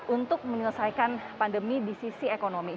untuk menyelesaikan pandemi di sisi ekonomi